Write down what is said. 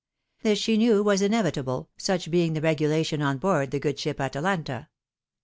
This she knew was inevitable, such being the regulation on board the good ship Atalanta.